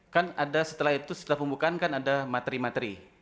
kan ada setelah itu setelah pembukaan kan ada materi materi